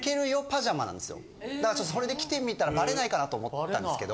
だからちょっとそれで来てみたらバレないかなと思ったんですけど。